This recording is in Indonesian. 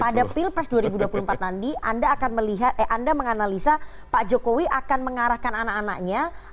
pada pilpres dua ribu dua puluh empat nanti anda akan melihat eh anda menganalisa pak jokowi akan mengarahkan anak anaknya